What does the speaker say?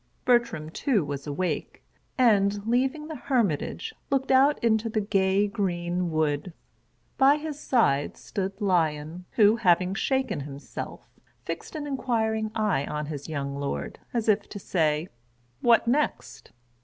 Bertram, too, was awake, and, leaving the hermitage, looked out into the gay, green wood. By his side, stood Lion, who, having shaken himself, fixed an inquiring eye on his young lord, as if to say, "What next?"